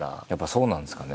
そうなんですよね。